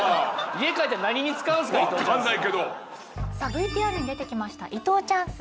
ＶＴＲに出てきました伊藤チャンス。